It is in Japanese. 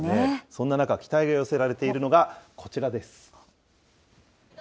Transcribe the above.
そんな中、期待を寄せられているのがこちらです。